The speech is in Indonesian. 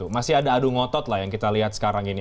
masih ada adu ngotot lah yang kita lihat sekarang ini